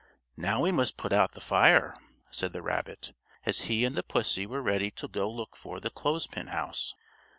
"Now we must put out the fire," said the rabbit, as he and the pussy were ready to go look for the clothespin house.